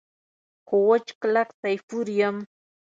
خو وچ کلک سیفور یم.